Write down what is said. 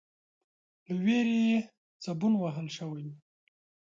، له وېرې يې زبون وهل شوی و،